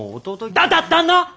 だだ旦那！